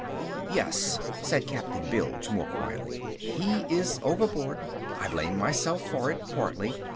"Yes," said Captain Bilge more quietly, "he is overboard. I blame myself for it, partly.